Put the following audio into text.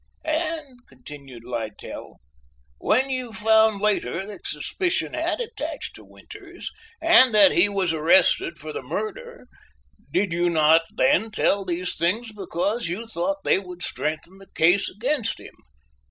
"And," continued Littell, "when you found later that suspicion had attached to Winters, and that he was arrested for the murder, did you not then tell these things because you thought they would strengthen the case against him?"